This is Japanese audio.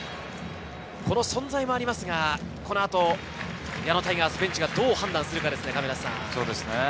この存在もありますが、この後矢野タイガースベンチがどう判断するかですね。